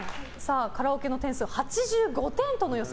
カラオケの点数８５点との予想。